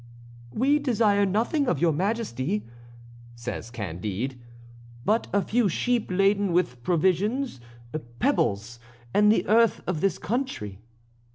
"We desire nothing of your Majesty," says Candide, "but a few sheep laden with provisions, pebbles, and the earth of this country."